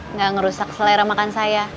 nggak ngerusak selera makan saya